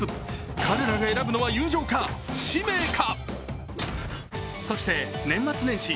彼らが選ぶのは友情か、使命か？